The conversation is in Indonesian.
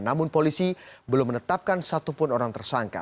namun polisi belum menetapkan satupun orang tersangka